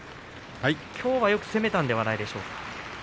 きょうはよく攻めたんではないですか。